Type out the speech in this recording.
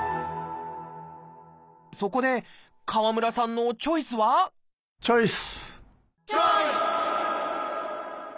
そこで川村さんのチョイスはチョイス！